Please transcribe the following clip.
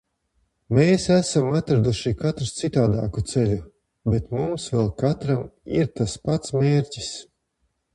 Mēs esam atraduši katrs citādāku ceļu, bet mums vēl katram ir tas pats mērķis.